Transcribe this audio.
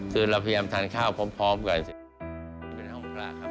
คือเราพยายามทานข้าวพร้อมก่อน